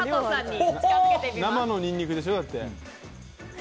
生のニンニクでしょう？